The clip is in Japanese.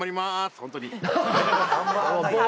本当に。